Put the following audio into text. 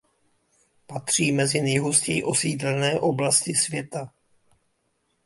Patří mezi nejhustěji osídlené oblasti světa.